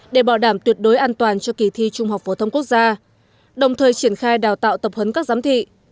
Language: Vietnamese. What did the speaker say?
để bảo đảm tuyệt đối an toàn cho kỳ thi trung học phổ thông quốc gia đồng thời triển khai đào tạo tập huấn các giám thị